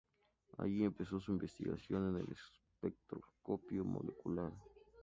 Allí, empezó su investigaciones en espectroscopia molecular.